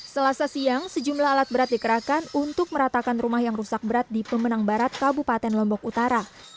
selasa siang sejumlah alat berat dikerahkan untuk meratakan rumah yang rusak berat di pemenang barat kabupaten lombok utara